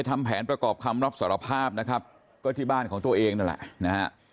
ทำแผนประกอบคำรับสารภาพนะครับก็ที่บ้านของตัวเองนั่นแหละนะฮะ